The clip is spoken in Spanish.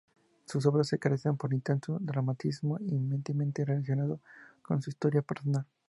Sus obras se caracterizan por intenso dramatismo íntimamente relacionado con su historia personal.